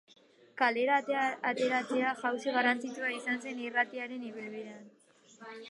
Kalera ateratzea jauzi garrantzitsua izan zen irratiaren ibilbidean.